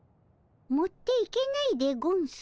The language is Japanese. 持っていけないでゴンス？